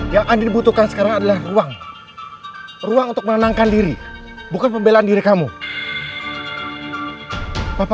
jangan memaksakan kerendah kamu al